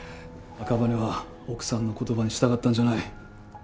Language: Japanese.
赤羽は奥さんの言葉に従ったんじゃない。